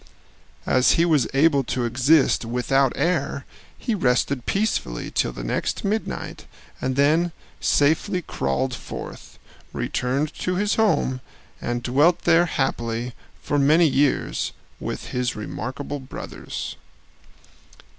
As he was able to exist without air he rested peacefully till the next midnight, and then safely crawled forth, returned to his home, and dwelt there happily for many years with his remarkable brothers.